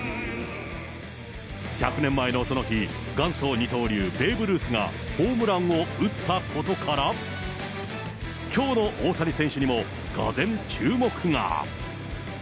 １００年前のその日、元祖二刀流、ベーブ・ルースがホームランを打ったことから、きょうの大谷選手にも、がぜん、注目が。